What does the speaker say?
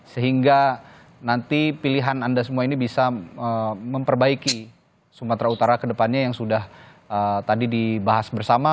sehingga nanti pilihan anda semua ini bisa memperbaiki sumatera utara kedepannya yang sudah tadi dibahas bersama